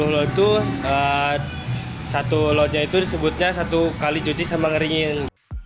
dua puluh lot itu satu lotnya itu disebutnya satu kali cuci sama ngeringin